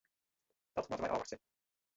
Dat moatte we ôfwachtsje.